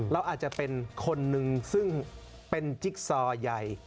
เราอาจจะเป็นคนนึงซึ่งเป็นจิ๊กซอใหญ่